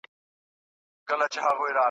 جاله وان ورباندي ږغ کړل ملاجانه `